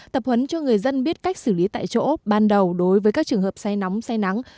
tập huấn cho người dân biết cách xử lý tại chỗ ban đầu đối với các trường hợp say nóng say nắng